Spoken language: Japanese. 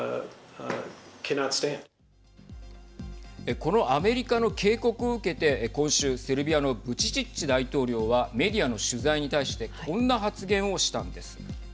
このアメリカの警告を受けて今週セルビアのブチッチ大統領はメディアの取材に対してこんな発言をしたんです。